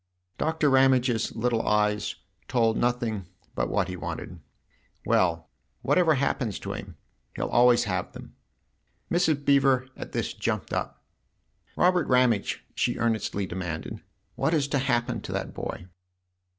Doctor Ramage's little eyes told nothing but what he wanted. " Well, whatever happens to him, he'll always have them !" Mrs. Beever at this jumped up. " Robert THE OTHER HOUSE 27 Ramage," she earnestly demanded, " what is to happen to that boy